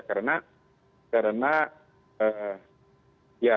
karena ya sekali lagi ini sesuatu yang